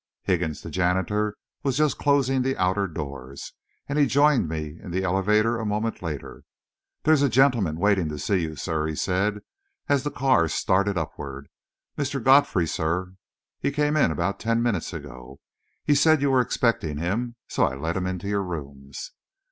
Higgins, the janitor, was just closing the outer doors, and he joined me in the elevator a moment later. "There's a gentleman waiting to see you, sir," he said, as the car started upward. "Mr. Godfrey, sir. He came in about ten minutes ago. He said you were expecting him, so I let him into your rooms."